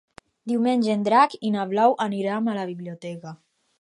Diumenge en Drac i na Blau aniran a la biblioteca.